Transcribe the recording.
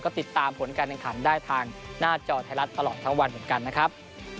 ก็ติดตามผลการแข่งขันได้ทางหน้าจอไทยรัฐตลอดทั้งวันเหมือนกันนะครับ